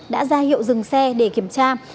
đã ra hiệu dừng xe để kiểm tra